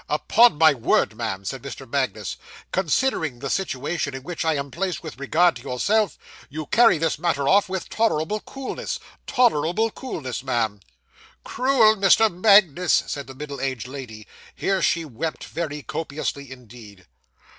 'Upon my word, ma'am,' said Mr. Magnus, 'considering the situation in which I am placed with regard to yourself, you carry this matter off with tolerable coolness tolerable coolness, ma'am.' 'Cruel Mr. Magnus!' said the middle aged lady; here she wept very copiously indeed.